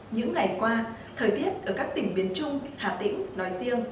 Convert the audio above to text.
những ngày qua thời tiết ở các tỉnh biển trung hà tĩnh nói riêng